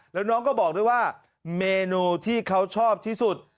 แล้วน้องก็บอกด้วยว่าเมนูที่เขาชอบที่สุด